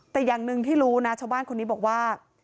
แต่อย่างหนึ่งที่รู้นะชาวบ้านคนนี้บอกว่า